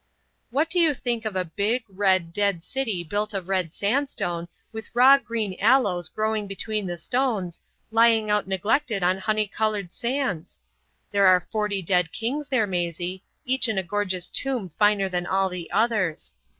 "What do you think of a big, red, dead city built of red sandstone, with raw green aloes growing between the stones, lying out neglected on honey coloured sands? There are forty dead kings there, Maisie, each in a gorgeous tomb finer than all the others.